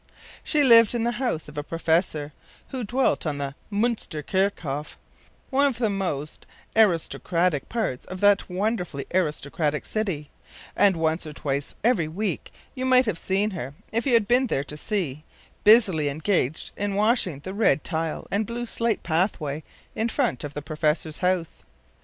She lived in the house of a professor, who dwelt on the Munster Kerkhoff, one of the most aristocratic parts of that wonderfully aristocratic city; and once or twice every week you might have seen her, if you had been there to see, busily engaged in washing the red tile and blue slate pathway in front of the professor’s house.